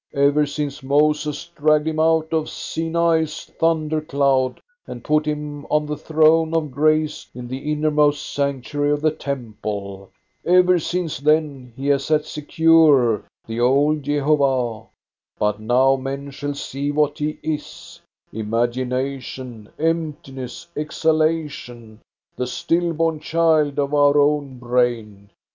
Ever since Moses dragged him out of Sinai's thunder cloud and put him on the throne of grace in the innermost sanctuary of the temple, ever since then he has sat secure, the old Jehovah ; but now men shall see what he is: Imagination, emptiness, exhalation, the still born child of our own brain.